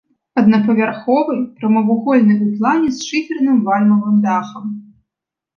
Аднапавярховы, прамавугольны ў плане з шыферным вальмавым дахам.